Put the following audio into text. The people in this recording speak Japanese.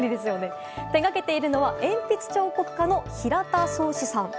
手がけているのは鉛筆彫刻家のひらたそうしさん。